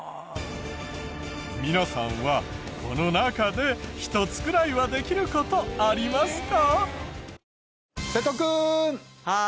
皆さんはこの中で１つくらいはできる事ありますか？